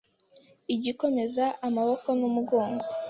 igakomeza, amaboko n’umugongo.